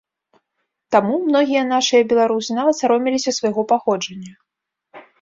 Таму многія нашыя беларусы нават саромеліся свайго паходжання.